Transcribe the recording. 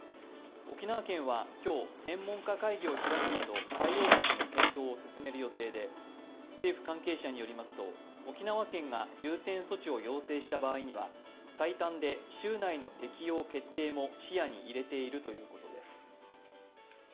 沖縄県は今日、専門家会議を開くなど対応策の検討を進める予定で政府関係者によりますと、沖縄県が重点措置を要請した場合には最短で週内の適用決定も視野に入れているということです。